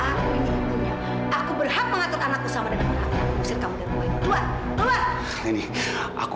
aku ini punya aku berhak mengatur anakku sama dengan anakku